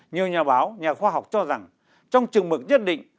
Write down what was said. nhiều nhà báo nhà khoa học cho rằng trong chừng mực nhất định